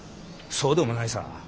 そうでもないさ。